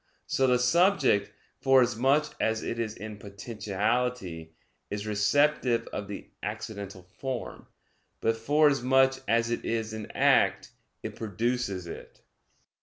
So the subject, forasmuch as it is in potentiality, is receptive of the accidental form: but forasmuch as it is in act, it produces it.